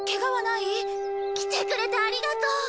来てくれてありがとう。